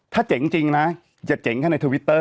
ถ้าเจ๋งจริงนะ